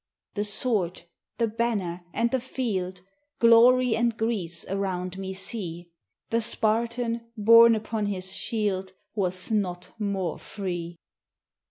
20 The sword, the banner, and the field, Glory and Greece, around me see! The Spartan, borne upon his shield, Was not more free.